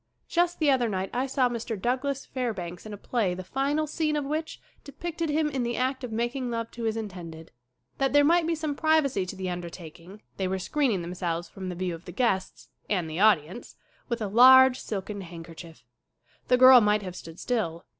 Just the other night I saw Mr. Douglas Fair banks in a play the final scene of which de picted him in the act of making love to his in tended. That there might be some privacy to the undertaking they were screening them selves from the view of the guests and the audience! with a large silken handkerchief. The girl might have stood still.